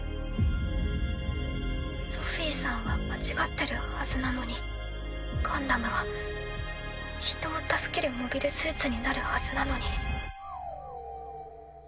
ソフィさんは間違ってるはずなのにガンダムは人を助けるモビルスーツになるはずなのに。